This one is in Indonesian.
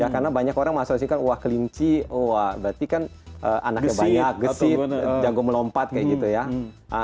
karena banyak orang mengastrolesikan wah kelinci wah berarti kan anaknya banyak gesit jago melompat kayak gitu ya